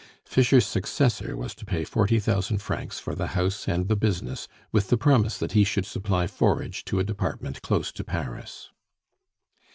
Fischer's successor was to pay forty thousand francs for the house and the business, with the promise that he should supply forage to a department close to Paris.